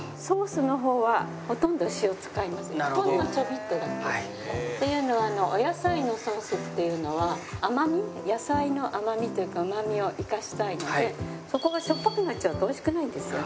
ほんのちょびっとだけ。っていうのはお野菜のソースっていうのは甘み野菜の甘みというかうまみを生かしたいのでそこがしょっぱくなっちゃうと美味しくないんですよね。